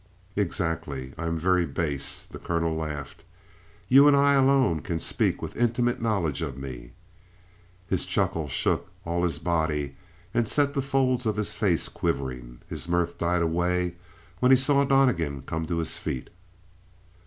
"Exactly. I am very base." The colonel laughed. "You and I alone can speak with intimate knowledge of me." His chuckle shook all his body, and set the folds of his face quivering. His mirth died away when he saw Donnegan come to his feet.